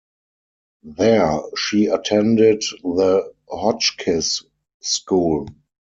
There, she attended the Hotchkiss School.